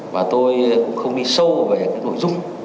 và tôi không đi sâu về nội dung